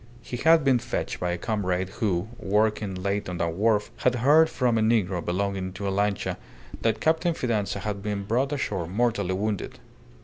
He had been fetched by a comrade who, working late on the wharf, had heard from a negro belonging to a lancha, that Captain Fidanza had been brought ashore mortally wounded.